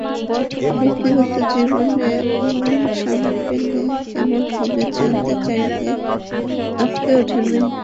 ব্যক্তিগত জীবনে অমন স্বামী পেলে কেমন হবে জানতে চাইলে আঁতকে ওঠেন মেহজাবীন।